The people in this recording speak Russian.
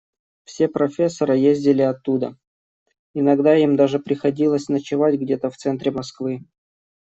Все профессора ездили оттуда, иногда им даже приходилось ночевать где-то в центре Москвы.